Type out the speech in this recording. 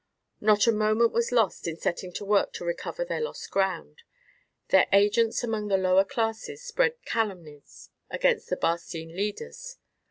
Not a moment was lost in setting to work to recover their lost ground. Their agents among the lower classes spread calumnies against the Barcine leaders.